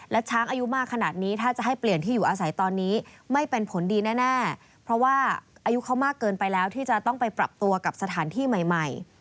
และช้างอายุมากขนาดนี้ถ้าจะให้เปลี่ยนที่อยู่อาศัยตอนนี้ไม่เป็นผลดีแน่เพราะว่าอายุเขามากเกินไปแล้วที่จะต้องไปปรับตัวกับสถานที่ใหม่ใหม่